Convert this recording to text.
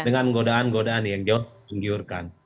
dengan godaan godaan yang jauh menggiurkan